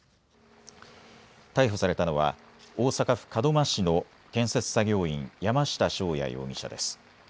逮捕されたのは大阪府門真市の建設作業員、山下翔也容疑者です。